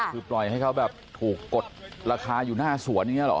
คือปล่อยให้เขาแบบถูกกดราคาอยู่หน้าสวนอย่างนี้หรอ